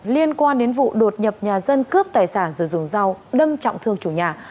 liên quan đến vụ đột nhập nhà dân cướp tài sản rồi dùng dao đâm trọng thương chủ nhà